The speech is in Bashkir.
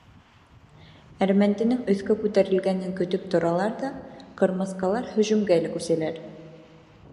Әрмәнденең өҫкә күтәрелгәнен көтөп торалар ҙа ҡырмыҫҡалар һөжүмгә лә күсәләр.